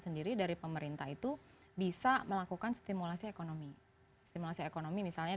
sendiri dari pemerintah itu bisa melakukan stimulasi ekonomi stimulasi ekonomi misalnya